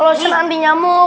lotion anti nyamuk